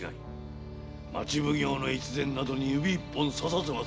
町奉行の越前などに指一本指させはせぬわ。